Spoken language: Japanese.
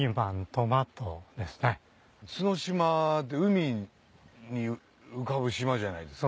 角島って海に浮かぶ島じゃないですか。